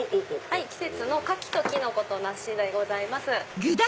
季節の牡蠣とキノコと梨でございます。